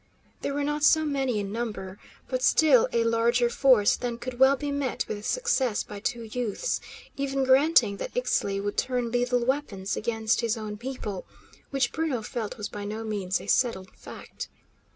They were not so many in number, but still a larger force than could well be met with success by two youths, even granting that Ixtli would turn lethal weapons against his own people, which Bruno felt was by no means a settled fact.